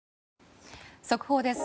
速報です。